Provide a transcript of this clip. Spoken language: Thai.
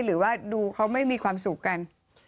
หรือว่าดูเขาไม่มีความสุขกัน